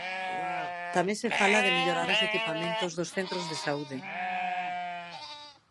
Tamén se fala de mellorar os equipamentos dos centros de saúde.